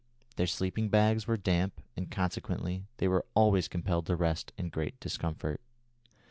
Their sleeping bags were damp, and consequently they were always compelled to rest in great discomfort.